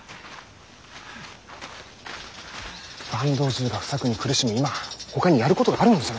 坂東中が不作に苦しむ今ほかにやることがあるのでは。